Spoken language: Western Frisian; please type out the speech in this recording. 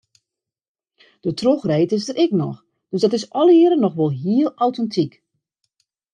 De trochreed is der ek noch, dus dat is allegear noch wol heel autentyk.